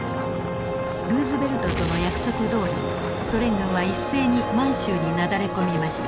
ルーズベルトとの約束どおりソ連軍は一斉に満州になだれ込みました。